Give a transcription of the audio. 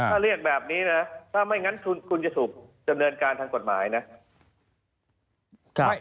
ถ้าเรียกแบบนี้นะถ้าไม่งั้นคุณจะถูกดำเนินการทางกฎหมายนะ